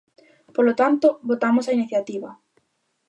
Polo tanto, votamos a iniciativa.